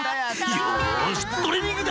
よしトレーニングだ！